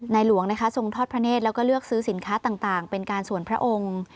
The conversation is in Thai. หลวงนะคะทรงทอดพระเนธแล้วก็เลือกซื้อสินค้าต่างเป็นการส่วนพระองค์